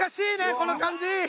この感じ。